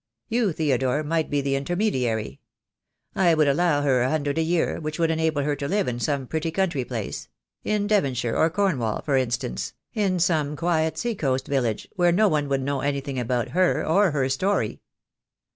You, Theodore, might be the intermediary. I would allow her a hundred a year, which would enable her to live in some pretty country place — in Devonshire or Cornwall, THE DAY WILL COME. I I 5 for instance, in some quiet sea coast village where no one would know anything about her or her story."